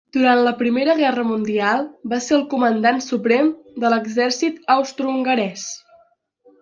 Durant la Primera Guerra Mundial va ser el Comandant Suprem de l'exèrcit austrohongarès.